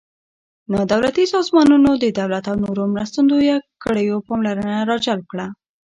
نا دولتي سازمانونو د دولت او نورو مرستندویه کړیو پاملرنه را جلب کړه.